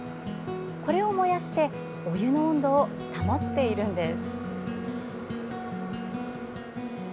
これを燃やして温泉の温度を保っているんです。